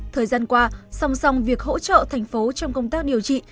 thời gian qua song song việc hỗ trợ thành phố trong công tác điều trị